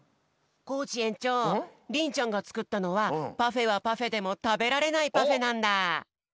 コージえんちょうりんちゃんがつくったのはパフェはパフェでもたべられないパフェなんだ。